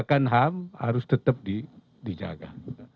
penegakan ham harus tetap dijaga